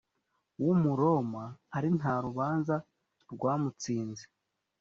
w umuroma ari nta rubanza rwamutsinze